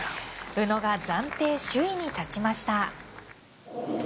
宇野が暫定首位に立ちました。